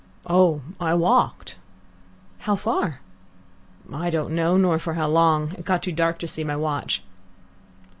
"Oh, I walked." "How far?" "I don't know, nor for how long. It got too dark to see my watch."